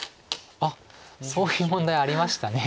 あっそういう問題ありました。